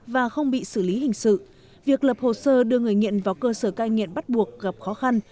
và không bị xử lý hình sự việc lập hồ sơ đưa người nghiện vào cơ sở cai nghiện bắt buộc gặp khó khăn